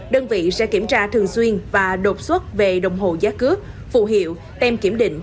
đơn vị sẽ kiểm tra thường xuyên và đột xuất về đồng hồ giá cước phù hiệu tem kiểm định